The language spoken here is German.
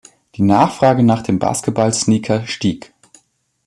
Die Nachfrage nach dem Basketball-Sneaker stieg.